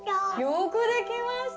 よくできました！